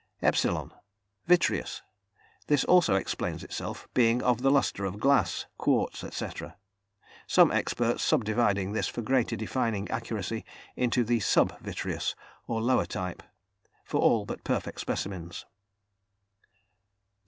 ([epsilon]) Vitreous. This also explains itself, being of the lustre of glass, quartz, etc.; some experts subdividing this for greater defining accuracy into the "sub vitreous" or lower type, for all but perfect specimens.